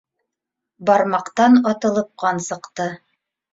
Бармаҡтан атылып ҡан сыҡты.